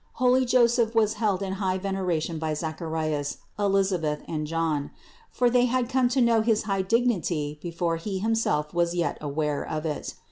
Holy Joseph was held in high veneration by Zacharias, Elisabeth and John ; for they had come to know his high dignity before he him self was yet aware of it.